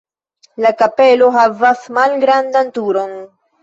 La kapelo havas malgrandan turon.